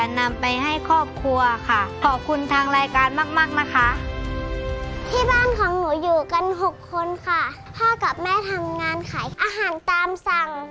กันหกคนค่ะพ่อกับแม่ทำงานขายอาหารตามสั่ง